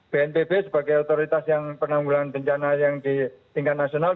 bnpb sebagai otoritas yang penanggulan bencana yang di tingkat nasional